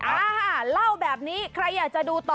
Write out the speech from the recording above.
อ่าค่ะเล่าแบบนี้ใครอยากจะดูต่อ